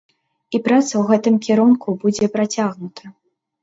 І праца ў гэтым кірунку будзе працягнута.